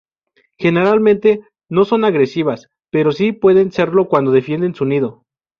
Generalmente no son agresivas pero sí pueden serlo cuando defienden su nido.